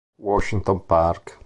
Washington Park